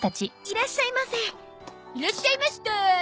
いらっしゃいました。